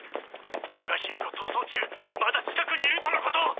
トガヒミコ逃走中まだ近くにいるとのこと！